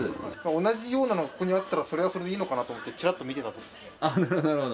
同じようなのがここにあったらそれはそれでいいのかなと思ってちらっと見てたところですね。